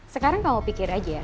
sekarang kamu pikir aja